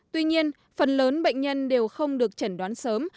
tuy nhiên phần lớn bệnh nhân đều không được chẩn đoán sớm